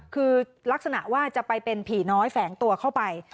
คือลักษณะว่าจะไปเป็นผีน้อยแฝงตัวเข้าไป